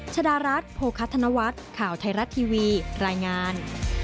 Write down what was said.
ชดารัฐโภคัธนวัฒน์ข่าวไทยรัฐทีวีรายงาน